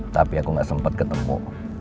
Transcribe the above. tapi aku gak sempat ketemu